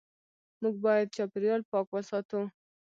موږ باید چاپېریال پاک وساتو.